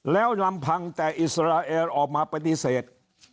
แล้วลำพังแต่อิสราเอลออกมาปฏิเสธ